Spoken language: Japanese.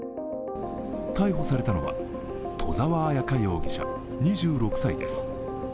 逮捕されたのは戸澤彩香容疑者２６歳です。